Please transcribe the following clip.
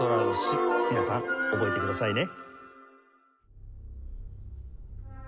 皆さん覚えてくださいね。